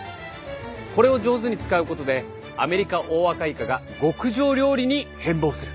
これを上手に使うことでアメリカオオアカイカが極上料理に変貌する。